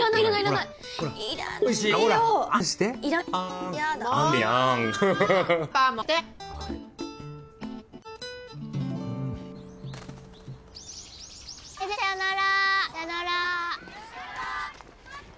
さようなら。